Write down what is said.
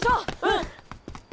うん！